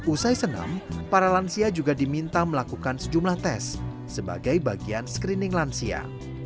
usai senam para lansia juga diminta melakukan sejumlah tes sebagai bagian screening lansia